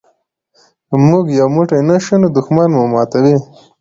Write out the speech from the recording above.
که موږ یو موټی نه شو نو دښمن مو ماتوي.